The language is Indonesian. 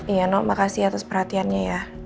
iya nol makasih atas perhatiannya ya